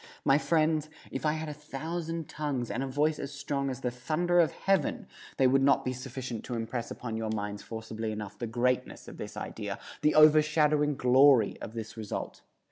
My friends, if I had a thousand tongues, and a voice as strong as the thunder of heaven, they would not be sufficient to impress upon your minds forcibly enough the greatness of this idea, the overshadowing glory of this result.